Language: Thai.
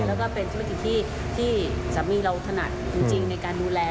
แล้วก็เป็นธุรกิจที่สามีเราถนัดจริงในการดูแล